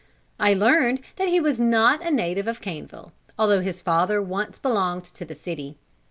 I learned that he was not a native of Caneville, although his father once belonged to the city.